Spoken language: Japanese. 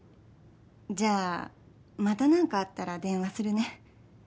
じゃあまた何かあったら電話するね。